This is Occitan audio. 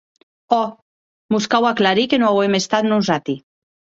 Òc, mos cau aclarir que non auem estat nosati.